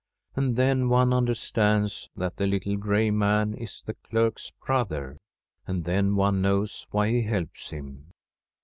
And then one understands that the little gray man is the clerk's brother ; and then one knows why he helps him.